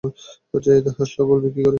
এত হাসলে বলবে কী করে?